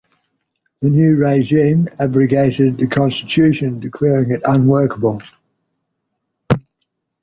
The new regime abrogated the constitution, declaring it unworkable.